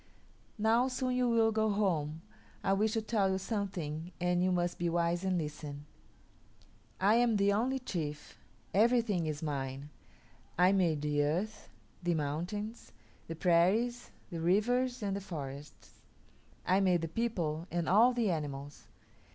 "Now, soon you will go home. I wish to tell you something and you must be wise and listen. I am the only chief; everything is mine; I made the earth, the mountains, the prairies, the rivers, and the forests; I made the people and all the animals.